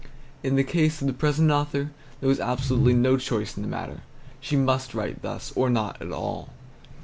In the case of the present author, there was absolutely no choice in the matter; she must write thus, or not at all.